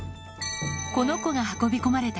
この子が運び込まれた